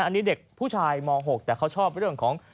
อันนี้เด็กผู้ชายม๖แต่เขาชอบเรื่องของ